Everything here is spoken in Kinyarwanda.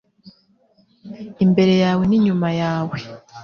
imbere yawe n'inyuma yawe